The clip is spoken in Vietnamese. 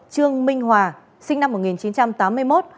lê thị mỹ sinh năm một nghìn chín trăm tám mươi một